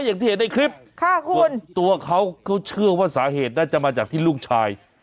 อย่างที่เห็นในคลิปค่ะคุณตัวเขาเขาเชื่อว่าสาเหตุน่าจะมาจากที่ลูกชาย